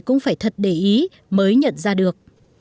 cũng phải thật để ý mới nhận ra được